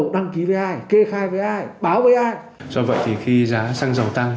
do vậy thì khi giá xăng dầu tăng